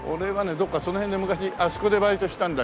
どっかその辺で昔あそこでバイトしてたんだ。